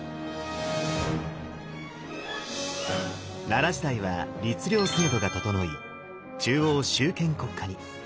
奈良時代は律令制度が整い中央集権国家に。